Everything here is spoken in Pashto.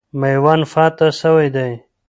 میوند فتح سوی دی.